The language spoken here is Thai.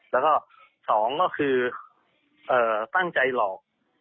แล้วก็๒ก็คือตั้งใจหลอก